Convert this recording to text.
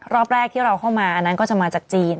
รอบแรกที่เราเข้ามาอันนั้นก็จะมาจากจีน